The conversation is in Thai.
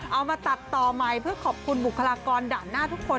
เอามาตัดต่อใหม่เพื่อขอบคุณบุคลากรด่านหน้าทุกคน